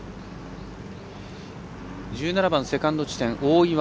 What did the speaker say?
１７番セカンド地点、大岩。